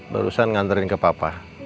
barusan ngantarin ke papa